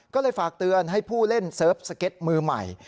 ก็เลยฝากเตือนให้ผู้เล่นเซิร์ฟสเก็ตมือใหม่